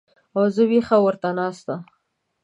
او زه وېښه ورته ناسته